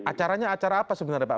acaranya acara apa sebenarnya pak